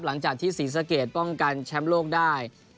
หลังจากที่ศรีสะเกดป้องกันแชมป์โลกได้